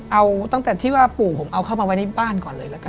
เอาตั้งแต่ที่ว่าปู่ผมเอาเข้ามาไว้ในบ้านก่อนเลยละกัน